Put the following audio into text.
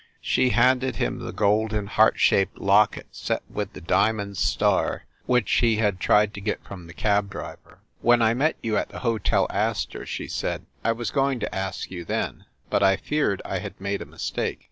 She handed him the golden heart shaped locket set with the diamond star which he had tried to get from the cab driver. "When I met you at the Hotel Astor," she said, "I was going to ask you then ; but I feared I had made a mistake.